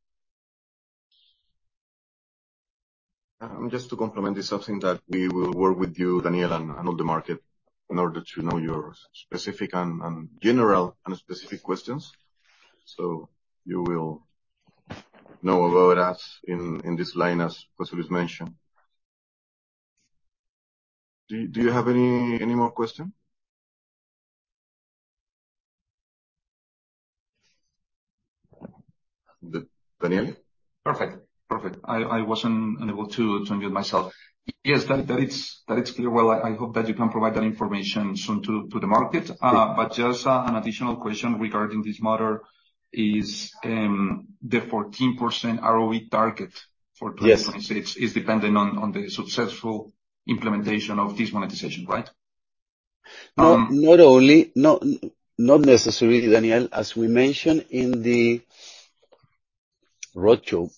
S1: Just to complement this, something that we will work with you, Daniel, and all the market in order to know your specific and general and specific questions. You will know about us in this line, as José Luis mentioned. Do you have any more question? Daniel?
S8: Perfect. I wasn't unable to unmute myself. Yes. That is clear. Well, I hope that you can provide that information soon to the market. Just an additional question regarding this matter is the 14% ROE target for 2026.
S3: Yes.
S8: is dependent on the successful implementation of this monetization, right?
S3: No, not only. Not necessarily, Daniel. As we mentioned in the roadshow,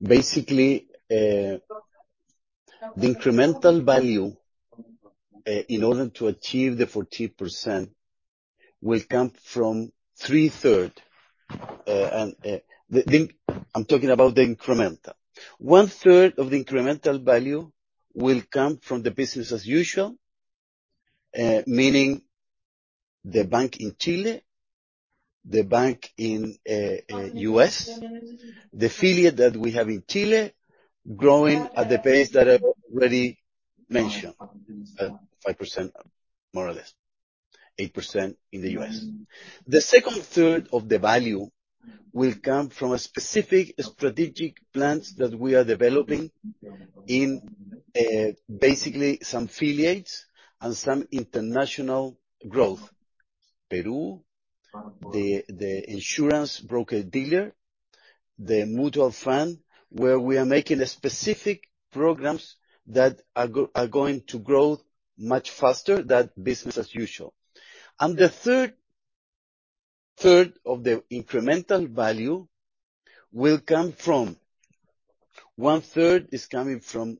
S3: basically, the incremental value in order to achieve the 14% will come from three thirds. I'm talking about the incremental. One third of the incremental value will come from the business as usual, meaning the bank in Chile, the bank in U.S., the affiliate that we have in Chile, growing at the pace that I've already mentioned, 5% more or less, 8% in the U.S. The second third of the value will come from a specific strategic plans that we are developing in basically some affiliates and some international growth. Peru, the insurance broker-dealer, the mutual fund, where we are making specific programs that are going to grow much faster than business as usual. The third of the incremental value will come from. One third is coming from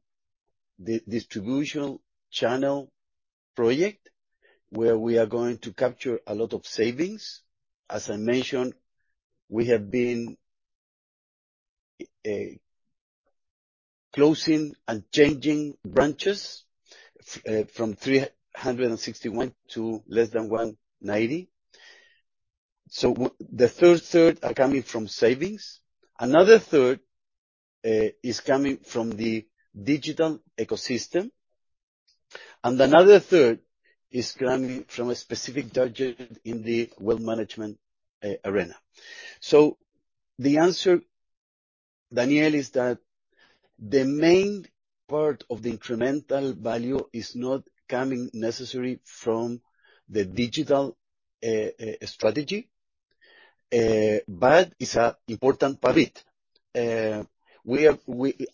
S3: the distribution channel project, where we are going to capture a lot of savings. As I mentioned, we have been closing and changing branches from 361 to less than 190. The third is coming from savings. Another third is coming from the digital ecosystem, and another third is coming from a specific target in the wealth management arena. The answer, Daniel, is that the main part of the incremental value is not coming necessarily from the digital strategy, but it's an important part of it. We have.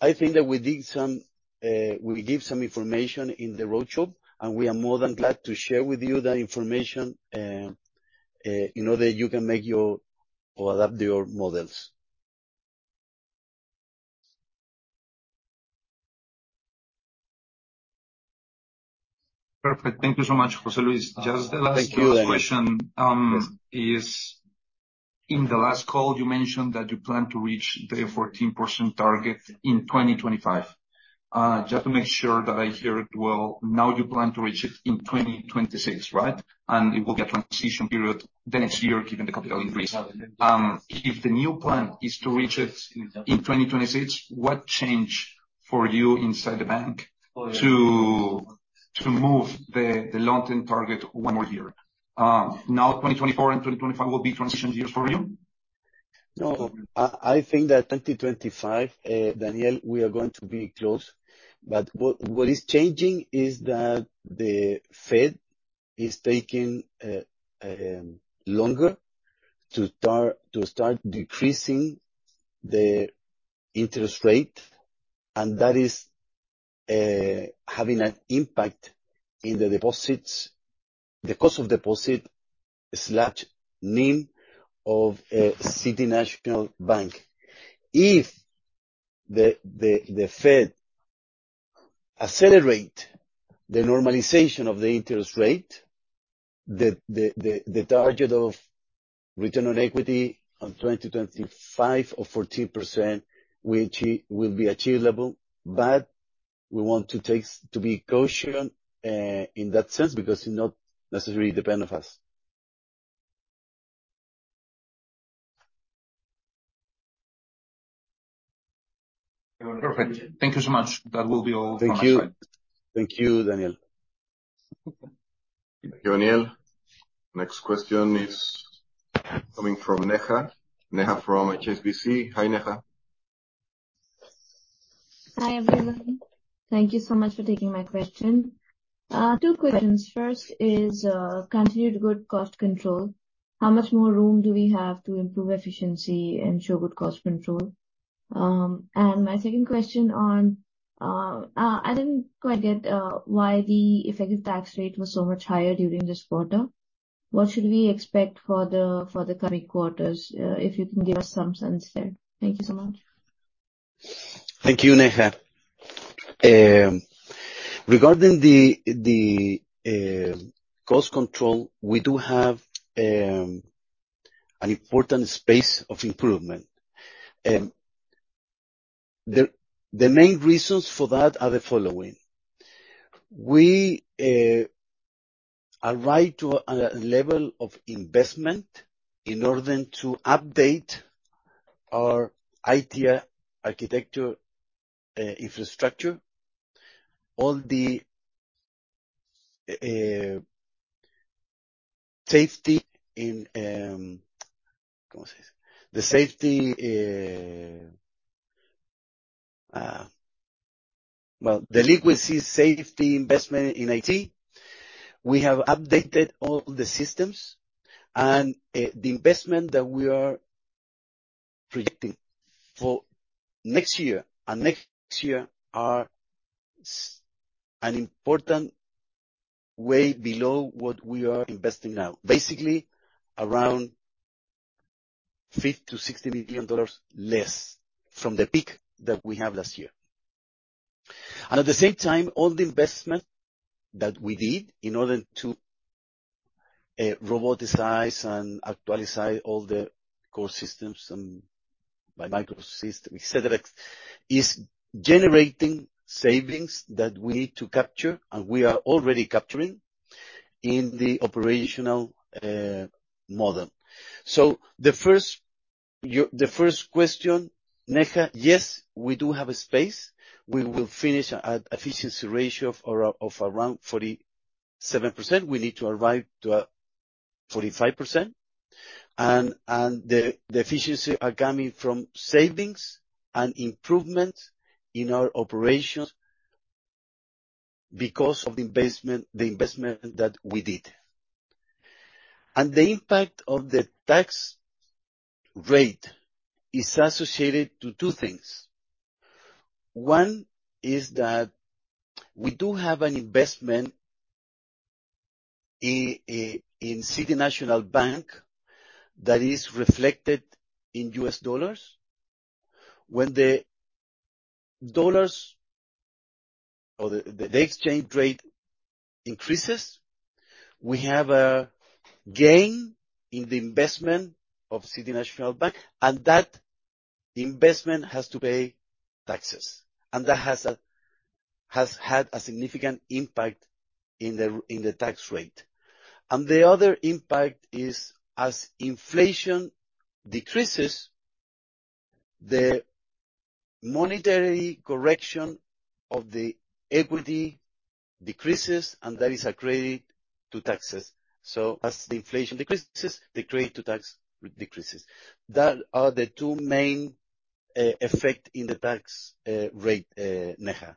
S3: I think that we did some, we give some information in the roadshow, and we are more than glad to share with you that information, in order you can make your or adapt your models.
S8: Perfect. Thank you so much, José Luis. Just the last question.
S3: Thank you, Daniel.
S8: As in the last call, you mentioned that you plan to reach the 14% target in 2025. Just to make sure that I hear it well, now you plan to reach it in 2026, right? It will be a transition period the next year, given the capital increase. If the new plan is to reach it in 2026, what changed for you inside the bank to move the long-term target one more year? Now 2024 and 2025 will be transition years for you?
S3: No, I think that 2025, Daniel, we are going to be close. What is changing is that the Fed is taking longer to start decreasing the interest rate, and that is having an impact in the deposits, the cost of deposit/NIM of City National Bank. If the Fed accelerate the normalization of the interest rate, the target of return on equity on 2025 of 14% will be achievable, but we want to be cautious in that sense, because it not necessarily depend on us.
S8: Perfect. Thank you so much. That will be all from my side.
S3: Thank you. Thank you, Daniel.
S1: Thank you, Daniel. Next question is coming from Neha. Neha from HSBC. Hi, Neha.
S9: Hi, everybody. Thank you so much for taking my question. Two questions. First is, continued good cost control. How much more room do we have to improve efficiency and show good cost control? My second question on, I didn't quite get why the effective tax rate was so much higher during this quarter. What should we expect for the coming quarters? If you can give us some sense there. Thank you so much.
S3: Thank you, Neha. Regarding the cost control, we do have an important space of improvement. The main reasons for that are the following: We arrive to a level of investment in order to update our IT architecture, infrastructure. All the safety, the liquidity safety investment in IT, we have updated all the systems, and the investment that we are projecting for next year are an important way below what we are investing now. Basically, around $50 million-$60 million less from the peak that we have last year. At the same time, all the investment that we did in order to robotize and digitalize all the core systems and BI microservices, et cetera, is generating savings that we need to capture, and we are already capturing in the operational model. The first question, Neha, yes, we do have a space. We will finish an efficiency ratio of around 47%. We need to arrive to 45%. The efficiency are coming from savings and improvements in our operations because of the investment, the investment that we did. The impact of the tax rate is associated to two things. One is that we do have an investment in City National Bank that is reflected in US dollars. When the dollar or the exchange rate increases, we have a gain in the investment of City National Bank, and that investment has to pay taxes, and that has had a significant impact in the tax rate. The other impact is, as inflation decreases, the monetary correction of the equity decreases, and that is a credit to taxes. As the inflation decreases, the credit to tax decreases. Those are the two main effects in the tax rate, Neha.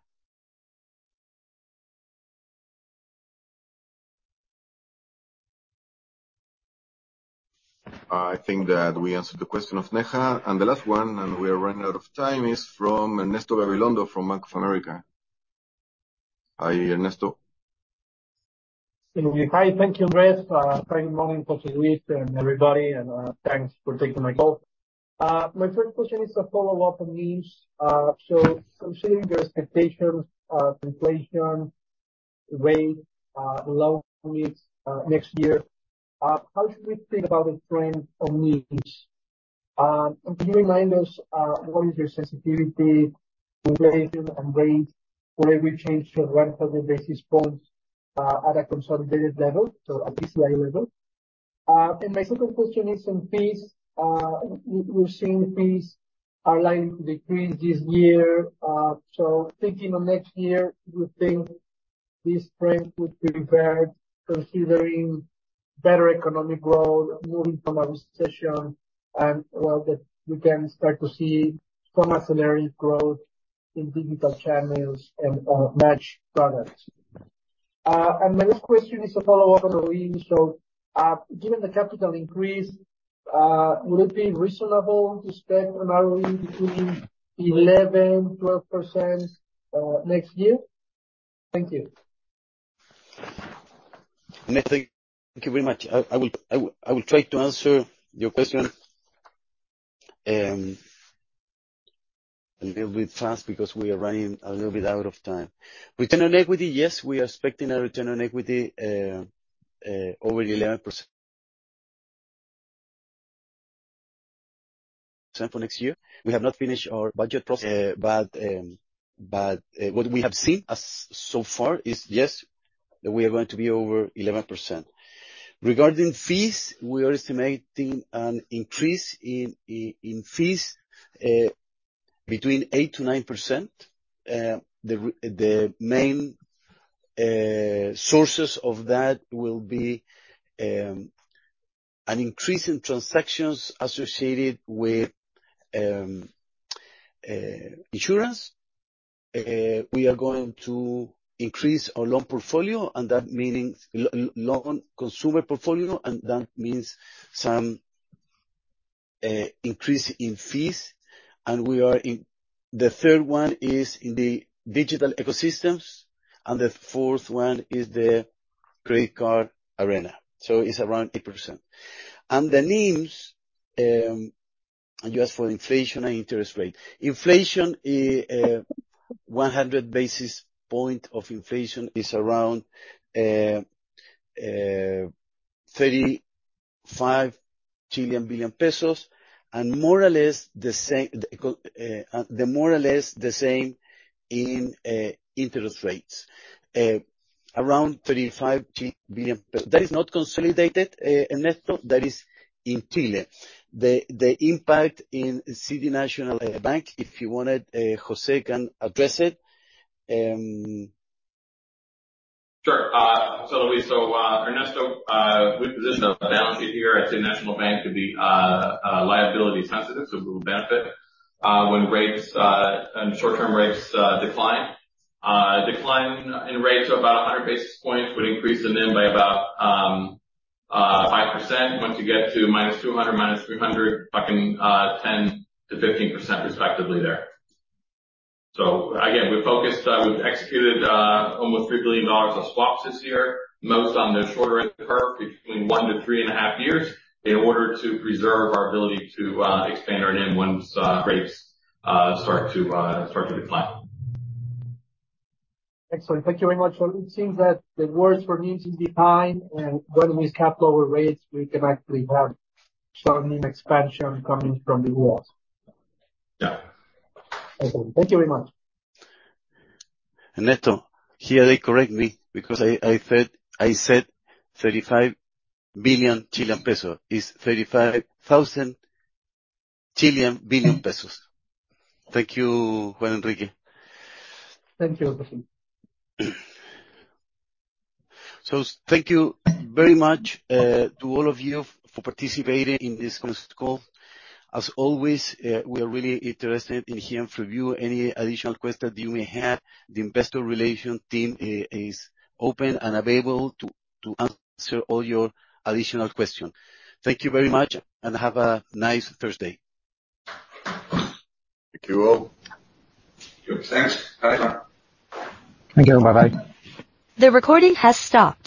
S1: I think that we answered the question of Neha. The last one, and we are running out of time, is from Ernesto Gabilondo from Bank of America. Hi, Ernesto.
S10: Hi. Thank you, Andrés. Good morning José Luis and everybody, and thanks for taking my call. My first question is a follow-up on these. Considering the expectations, inflation rate, low rates next year, how should we think about the trend on NIMs? Can you remind us what is your sensitivity to inflation and rates for every change to 100 basis points at a consolidated level, so at BCI level? And my second question is on fees. We're seeing fees are likely to decrease this year. Thinking of next year, do you think this trend would be reversed considering better economic growth, moving from a recession and, well, that we can start to see some accelerated growth in digital channels and MACH products? My last question is a follow-up on the lead. Given the capital increase, would it be reasonable to expect an ROE between 11%-12% next year? Thank you.
S3: Thank you. Thank you very much. I will try to answer your question a little bit fast because we are running a little bit out of time. Return on equity, yes, we are expecting a return on equity over 11%. For next year, we have not finished our budget process. What we have seen so far is yes, we are going to be over 11%. Regarding fees, we are estimating an increase in fees between 8%-9%. The main sources of that will be an increase in transactions associated with insurance. We are going to increase our loan portfolio, and that meaning loan consumer portfolio, and that means some increase in fees, and we are in. The third one is in the digital ecosystems, and the fourth one is the credit card arena. It's around 8%. The NIMs just for inflation and interest rate. Inflation one hundred basis point of inflation is around 35 billion pesos, and more or less the same in interest rates. Around 35 billion pesos. That is not consolidated, Ernesto. That is in Chile. The impact in City National Bank, if you wanted, Jose can address it.
S5: Sure. Luis, Ernesto, we position our balance sheet here at City National Bank to be liability sensitive, so it will benefit when rates and short-term rates decline. Decline in rates of about 100 basis points would increase the NIM by about 5%. Once you get to -200, -300, talking 10%-15% respectively there. We're focused. We've executed almost $3 billion of swaps this year, most on the shorter end of the curve between one to 3.5 years, in order to preserve our ability to expand our NIM once rates start to decline.
S10: Excellent. Thank you very much. It seems that the worst for NIMs is behind, and going with capital rates, we can actually have some NIM expansion coming from the wars.
S5: Yeah.
S10: Okay. Thank you very much.
S3: Ernesto, here they correct me because I said 35 billion Chilean pesos. It's 35,000 billion pesos. Thank you, Juan Enrique Pino.
S10: Thank you, Jose.
S3: Thank you very much to all of you for participating in this call. As always, we are really interested in hearing from you any additional questions you may have. The investor relation team is open and available to answer all your additional questions. Thank you very much, and have a nice Thursday.
S1: Thank you all.
S5: Thanks. Bye.
S4: Thank you. Bye-bye.
S11: The recording has stopped.